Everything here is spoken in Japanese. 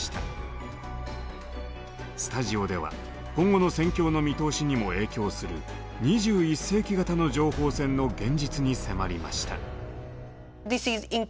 スタジオでは今後の戦況の見通しにも影響する２１世紀型の情報戦の現実に迫りました。